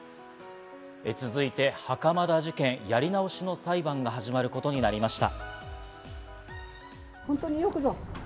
続いて袴田事件、やり直しの裁判が始まることになりました。